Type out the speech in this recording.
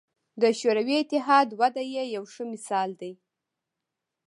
د شوروي اتحاد وده یې یو ښه مثال دی.